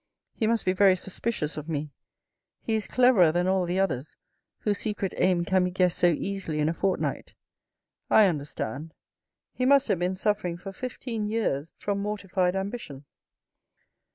He must be very suspicious of me. He is cleverer than all the others, whose secret aim can be guessed so easily in a fort night. I understand. He must have been suffering for fifteen years from mortified ambition."